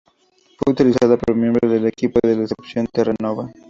Fue utilizada por miembros del equipo de la expedición Terra Nova.